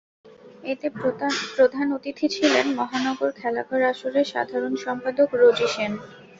এতে প্রধান অতিথি ছিলেন মহানগর খেলাঘর আসরের সাধারণ সম্পাদক রোজী সেন।